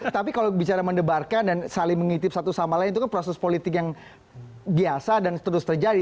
tapi kalau bicara mendebarkan dan saling mengitip satu sama lain itu kan proses politik yang biasa dan seterusnya terjadi